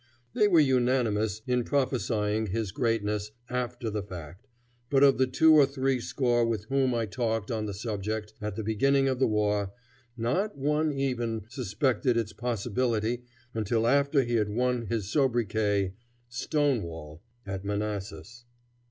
They were unanimous in prophesying his greatness after the fact, but of the two or three score with whom I talked on the subject at the beginning of the war, not one even suspected its possibility until after he had won his sobriquet "Stonewall" at Manassas.